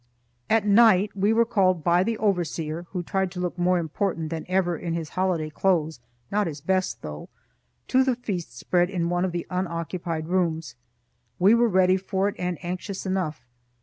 At night we were called by the overseer (who tried to look more important than ever in his holiday clothes not his best, though) to the feast spread in one of the unoccupied rooms. We were ready for it, and anxious enough.